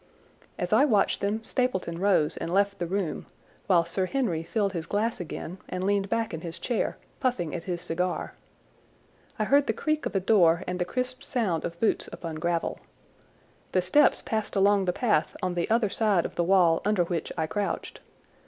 As I watched them Stapleton rose and left the room, while Sir Henry filled his glass again and leaned back in his chair, puffing at his cigar. I heard the creak of a door and the crisp sound of boots upon gravel. The steps passed along the path on the other side of the wall under which I crouched.